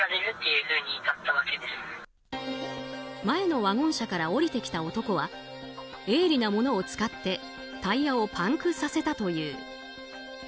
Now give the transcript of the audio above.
前のワゴン車から降りてきた男は鋭利なものを使ってタイヤをパンクさせたという。